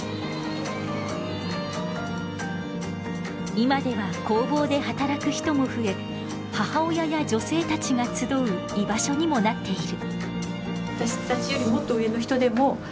今では工房で働く人も増え母親や女性たちが集う居場所にもなっている。